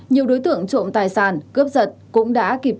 nhiều đối tượng trộm tài sản cướp giật